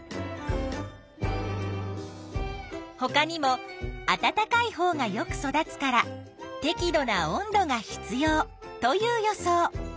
ほかにも「あたたかいほうがよく育つからてき度な温度が必要」という予想。